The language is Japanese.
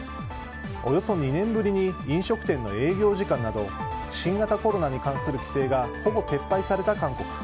およそ２年ぶりに飲食店の営業時間など新型コロナに関する規制がほぼ撤廃された韓国。